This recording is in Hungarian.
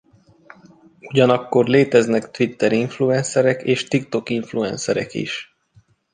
Ugyanakkor léteznek Twitter-influenszerek és TikTok-influenszerek is.